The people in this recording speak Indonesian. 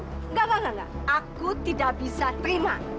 nggak nggak nggak aku tidak bisa terima